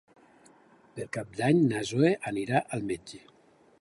Per Cap d'Any na Zoè irà al metge.